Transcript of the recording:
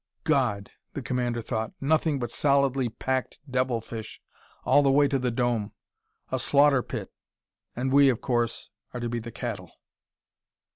"God!" the commander thought. "Nothing but solidly packed devil fish all the way to the dome! A slaughter pit! And we, of course, are to be the cattle!"